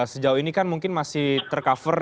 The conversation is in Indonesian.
sejauh ini kan mungkin masih tercover